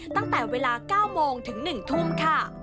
ตั้งแต่เวลา๙โมงถึง๑ทุ่มค่ะ